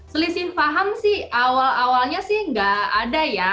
selisih paham sih awal awalnya sih nggak ada ya